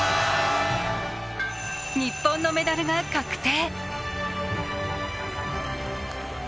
日本のメダルが確定。